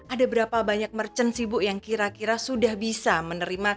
ada berapa banyak merchant sih bu yang kira kira sudah bisa menerima